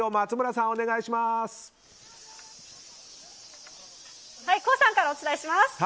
ＫＯＯさんからお伝えします。